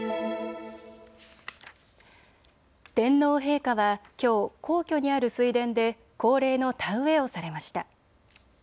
天皇陛下はきょう皇居にある水田で恒例の田植えをされました。